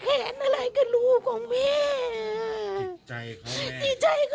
มันแขนอะไรกันลูกของแม่แม่แม่แม่แกสีว่าเสียใจ๙